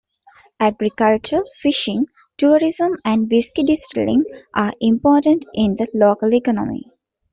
Agriculture, fishing, tourism and whisky distilling are important in the local economy.